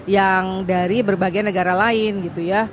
yang dari berbagai negara lain gitu ya